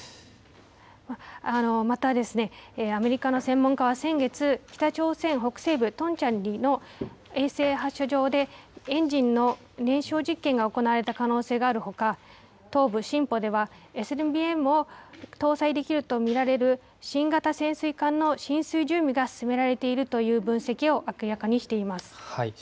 また、アメリカの専門家は先月、北朝鮮北西部トンチャンリの衛星発射場でエンジンの燃焼実験が行われた可能性があるほか、東部シンポではＳＬＢＭを搭載できると見られる新型潜水艦の進水準備が進められているという分析を明らかにしています。